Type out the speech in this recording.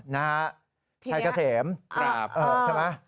นาชัยกะเสมใช่ไหม